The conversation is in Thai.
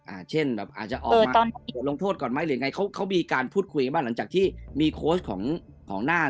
เช่นแบบอาจจะออกมาบทลงโทษก่อนไหมหรือไงเขาเขามีการพูดคุยกันบ้างหลังจากที่มีโค้ชของของหน้า